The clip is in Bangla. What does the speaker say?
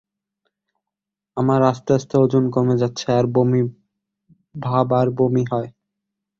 আমার আস্তে আস্তে ওজন কমে যাচ্ছে আর বমি ভাব আর বমি হয়।